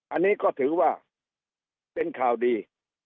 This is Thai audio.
อันนี้ก็ถือว่าเป็นข่าวดี